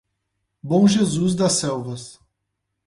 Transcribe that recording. Bom Jesus das Selvas